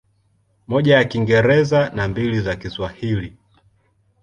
Moja ya Kiingereza na mbili za Kiswahili.